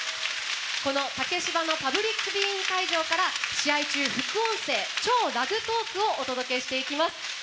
この竹芝のパブリックビューイング会場から試合中、副音声「超ラグトーク！」をお届けしていきます。